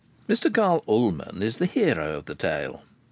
Mr Carl Ullman is the hero of the tale.